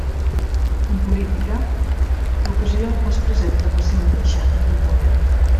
En política, l'ocasió es presenta per si mateixa en tot moment.